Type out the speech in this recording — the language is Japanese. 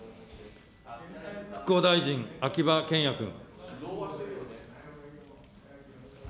復興大臣、秋葉賢也君。